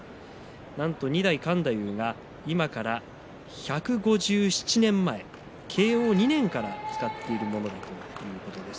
なんと２代勘太夫が今から１５７年前慶応２年から使っているものだということです。